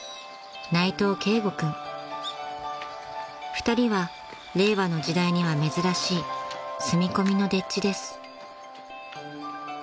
［２人は令和の時代には珍しい住み込みの丁稚です］